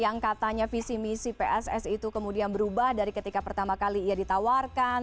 yang katanya visi misi pss itu kemudian berubah dari ketika pertama kali ia ditawarkan